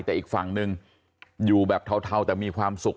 แต่อีกฝั่งหนึ่งอยู่แบบเทาแต่มีความสุข